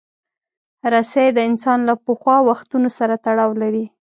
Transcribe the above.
رسۍ د انسان له پخوا وختونو سره تړاو لري.